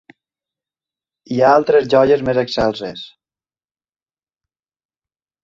Hi ha altres joies més excelses